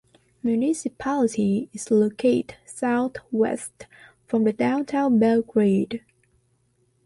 Municipality is located southwest from the downtown Belgrade.